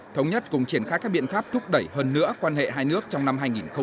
thống nhất cùng triển khai các biện pháp thúc đẩy hơn nữa quan hệ hai nước trong năm hai nghìn hai mươi